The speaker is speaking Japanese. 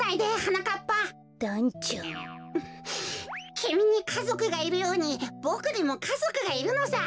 きみにかぞくがいるようにボクにもかぞくがいるのさ。